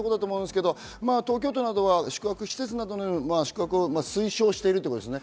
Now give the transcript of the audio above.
東京都などは宿泊施設などを推奨してるということですね。